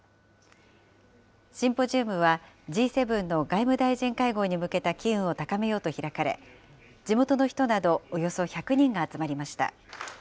シンポジウムは、Ｇ７の外務大臣会合に向けた機運を高めようと開かれ、地元の人などおよそ１００人が集まりました。